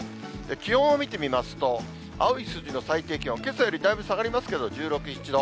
気温を見てみますと、青い数字の最低気温、けさよりだいぶ下がりますけれども、１６、７度。